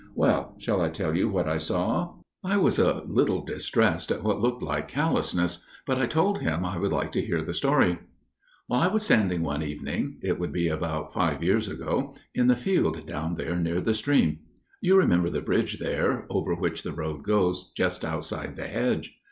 Well, shall I tell you what I saw?" I was a little distressed at what looked like callousness, but I told him I would like to hear the story. "I was standing one evening––it would be about five years ago––in the field down there near the stream. You remember the bridge there, over which the road goes, just outside the hedge.